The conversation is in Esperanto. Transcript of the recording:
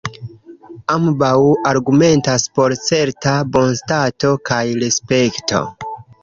Ambaŭ argumentas por certa bonstato kaj respekto.